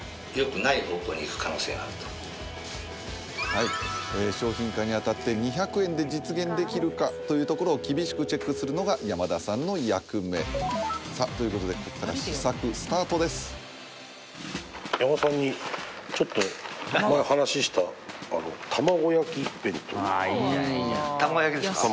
はい商品化にあたって２００円で実現できるかというところを厳しくチェックするのが山田さんの役目さあということでここから山田さんにちょっと前話した卵焼きですか？